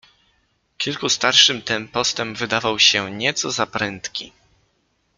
"Kilku starszym ten postęp wydawał się nieco za prędki."